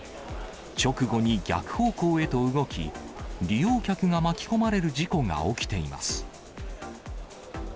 直後に逆方向へと動き、利用客が巻き込まれる事故が起きています。